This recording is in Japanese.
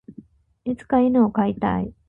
いつか犬を飼いたい。